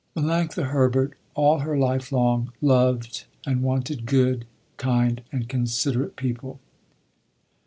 Melanctha Herbert all her life long, loved and wanted good, kind and considerate people.